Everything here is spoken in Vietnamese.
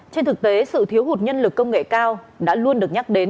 trên thực tế sự thiếu hụt nhân lực công nghệ cao đã luôn được nhắc đến